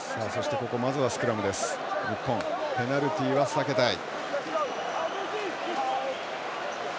日本、ペナルティーは避けたい。